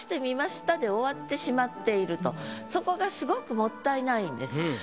で終わってしまっているそこがすごくもったいないんです。